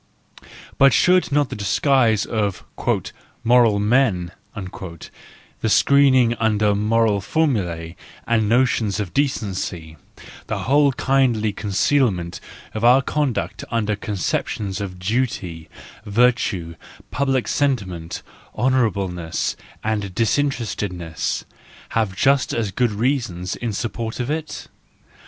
But should not the disguise of " moral men," the screening under moral formulae and notions of decency, the whole kindly concealment of our conduct under conceptions of duty, virtue, public sentiment, honourableness, and disinter 294 THE JOYFUL WISDOM, V estedness, have just as good reasons in support of it?